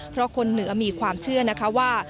เพราะคนเหนือมีความเชื่อนะคะว่า